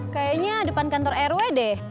kayaknya depan kantor rw deh